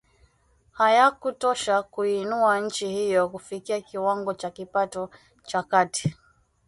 hayakutosha kuiinua nchi hiyo kufikia kiwango cha kipato cha kati